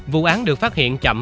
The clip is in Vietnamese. vụ án được phát hiện chậm